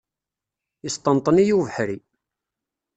Yesṭenṭen-iyi ubeḥri.